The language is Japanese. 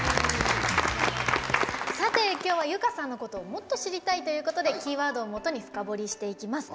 今日は有華さんのことをもっと知りたいということでキーワードをもとに深堀りしていきます。